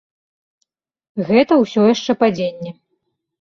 Гэта ўсё яшчэ падзенне.